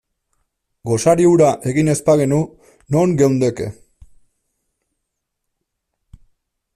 Gosari hura egin ez bagenu, non geundeke?